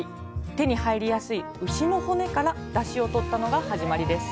手に入りやすい牛の骨から出汁を取ったのが始まりです。